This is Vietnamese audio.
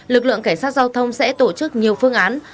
lực lượng cảnh sát giao thông sẽ tổ chức nhiều phương án